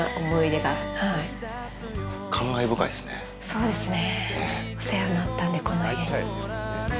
そうですね。